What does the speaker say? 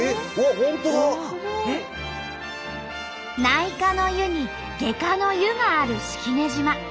内科の湯に外科の湯がある式根島。